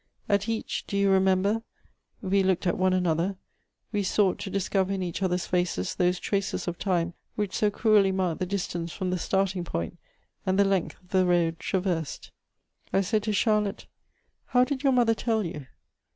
At each "Do you remember?" we looked at one another; we sought to discover in each other's faces those traces of time which so cruelly mark the distance from the starting point and the length of the road traversed. I said to Charlotte: "How did your mother tell you?"